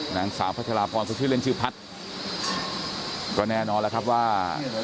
นางสาวพระชาวาพรเขาชื่อเล่นชื่อพัทก็แน่นอนแล้วครับว่า